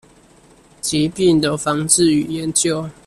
疾病的防治與研究